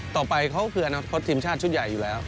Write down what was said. ต่อไปเขาคืออนาคตทีมชาติชุดใหญ่อยู่แล้ว